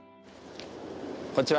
こんにちは。